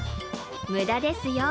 無駄ですよ。